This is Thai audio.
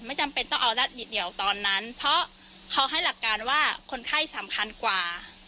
จำเป็นต้องเอาเดี๋ยวตอนนั้นเพราะเขาให้หลักการว่าคนไข้สำคัญกว่า